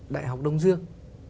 đại học đông dương